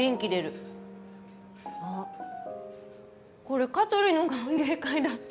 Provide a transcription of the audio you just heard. あっこれ香取の歓迎会だった。